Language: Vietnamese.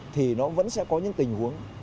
thì nó vẫn sẽ có những tình huống